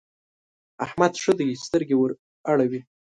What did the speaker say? احمد ښه دی؛ سترګې ور اوړي.